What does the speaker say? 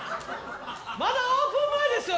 まだオープン前ですよ